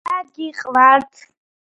რა გიყვართ